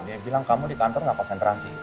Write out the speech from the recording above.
dia bilang kamu di kantor nggak konsentrasi